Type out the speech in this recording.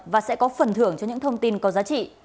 và sẽ có phần thưởng cho những thông tin có giá trị